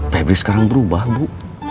febri sekarang berubah bu